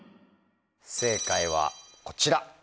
正解はこちら。